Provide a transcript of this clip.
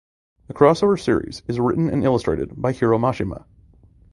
The crossover series is written and illustrated by Hiro Mashima.